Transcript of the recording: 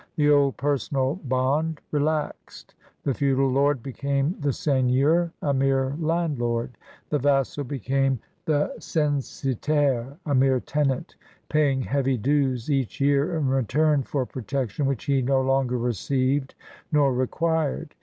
The old personal bond relaxed; the feudal lord became the seigneur, a mere landlord. The vassal became the censitairCt a mere tenant, paying heavy dues each year in return for protection which he no longer received nor required.